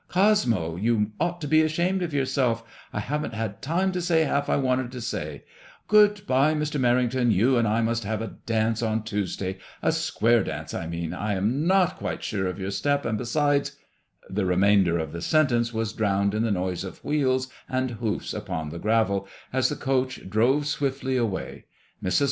Cosmo, you ought to be ashamed of yourself, i haven't had time to say half I wanted to say. Good bye, Mr. Merrington; you and I must have a dance on Tuesday, a square dance, I mean. I am not quite sure of your step, and besides " The remainder of the sentence was drowned in the noise of wheels and hoofs upon the gravel, as the coach drove swiftly away. Mrs.